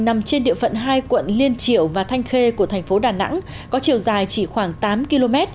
nằm trên địa phận hai quận liên triệu và thanh khê của thành phố đà nẵng có chiều dài chỉ khoảng tám km